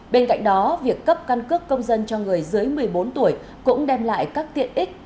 bên cạnh đó việc cấp căn cước công dân cho người dưới một mươi bốn tuổi cũng đem lại các tiện ích